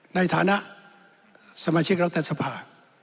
ในฐานะสมาชิกรัฐสภา